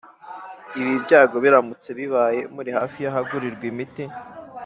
Ibi byago biramutse bibaye muri hafi y’ahagurirwa imiti